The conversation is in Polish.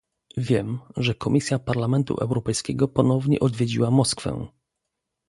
Wiem, że komisja Parlamentu Europejskiego ponownie odwiedziła Moskwę